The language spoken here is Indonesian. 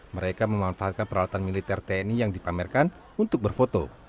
mereka memanfaatkan peralatan militer tni yang dipamerkan untuk berfoto